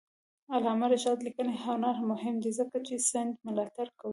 د علامه رشاد لیکنی هنر مهم دی ځکه چې سند ملاتړ کوي.